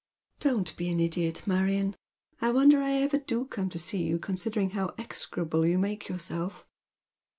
" Don't be an idiot, Marion. I wonder I ever do come to see you, considering how execrable you make yourself."